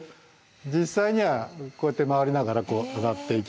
実際にはこうやって回りながらこう上がっていき。